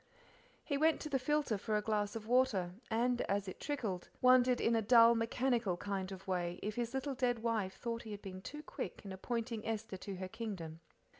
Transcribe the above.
He went to the filter for a glass of water, and, as it trickled, wondered in a dull, mechanical kind of way if his little dead wife thought he had been too quick in appointing Esther to her kingdom.